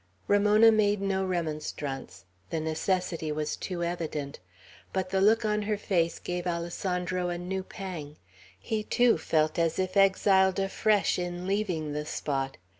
Ramona made no remonstrance. The necessity was too evident; but the look on her face gave Alessandro a new pang. He, too, felt as if exiled afresh in leaving the spot.